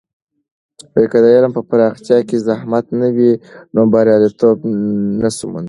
که د علم په پراختیا کې زحمت نه وي، نو بریالیتوب نسو موندلی.